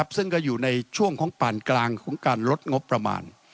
ซึ่งก็อยู่ในช่วงของป่านกลางของการลดงบประมาณ